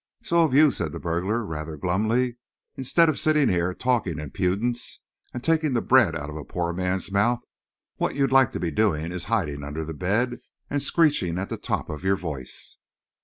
"So've you," said the burglar, rather glumly. "Instead of sitting here talking impudence and taking the bread out of a poor man's mouth, what you'd like to be doing is hiding under the bed and screeching at the top of your voice."